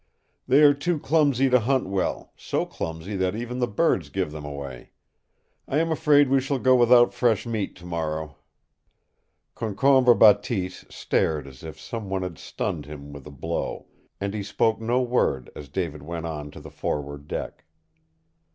"They are too clumsy to hunt well, so clumsy that even the birds give them away. I am afraid we shall go without fresh meat tomorrow!" Concombre Bateese stared as if some one had stunned him with a blow, and he spoke no word as David went on to the forward deck.